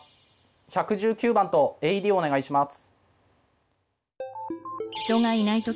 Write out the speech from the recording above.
１１９番とＡＥＤお願いします。